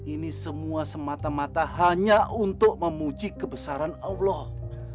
ini semua semata mata hanya untuk memuji kebesaran allah